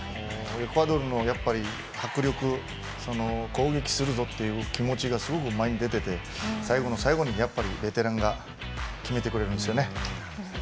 エクアドルの迫力、攻撃するぞという気持ちがすごく前に出ていて最後の最後にやっぱりベテランが決めてくれるんですよね。